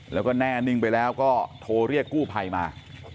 แล้วก็แน่นิ่งไปแล้วก็โทรเรียกกู้ภัยมา